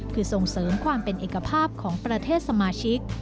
คือส่งเสริมความเป็นเอกภาพของประเทศสมาชิก